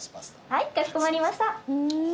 はいかしこまりました。